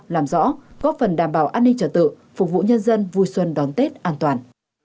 làm rõ góp phần đảm bảo an ninh trật tự phục vụ nhân dân vui xuân đón tết an toàn